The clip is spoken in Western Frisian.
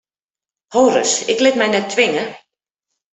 Ho ris, ik lit my net twinge!